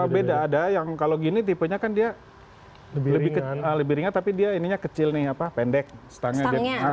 beda ada yang kalau gini tipenya kan dia lebih ringan tapi dia ininya kecil nih pendek setangnya